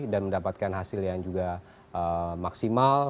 mendapatkan hasil yang juga maksimal